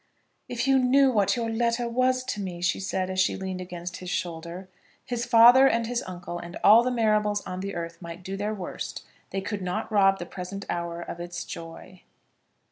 "If you knew what your letter was to me!" she said, as she leaned against his shoulder. His father and his uncle and all the Marrables on the earth might do their worst, they could not rob the present hour of its joy.